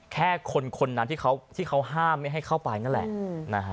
แค่คนนั้นที่เขาห้ามไม่ให้เข้าไปนั่นแหละ